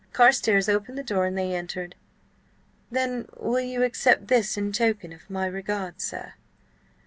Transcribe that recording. Carstares opened the door and they entered. "Then will you accept this in token of my regard, sir?"